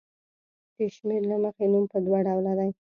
د شمېر له مخې نوم په دوه ډوله دی.